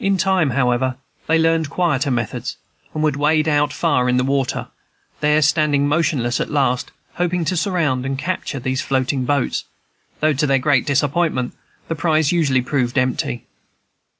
In time, however, they learned quieter methods, and would wade far out in the water, there standing motionless at last, hoping to surround and capture these floating boats, though, to their great disappointment, the prize usually proved empty.